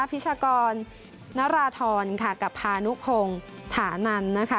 พิชากรนราธรค่ะกับพานุพงศ์ถานันนะคะ